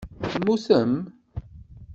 Temmutem?